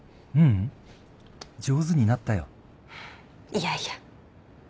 いやいや。